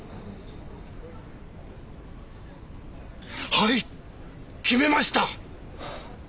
はい決めました！